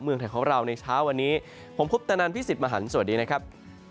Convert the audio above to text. เมืองไทยของเราในเช้าวันนี้ผมคุปตนันพี่สิทธิ์มหันฯสวัสดีนะครับ